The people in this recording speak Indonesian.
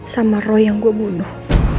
sama roh yang gue bunuh